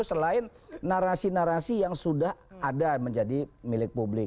selain narasi narasi yang sudah ada menjadi milik publik